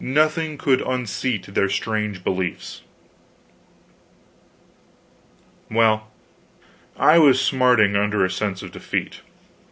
Nothing could unseat their strange beliefs. Well, I was smarting under a sense of defeat.